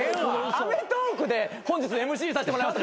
『アメトーーク！』で「本日ＭＣさせてもらいます」